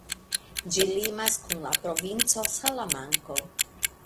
Ĝi limas kun la provinco Salamanko.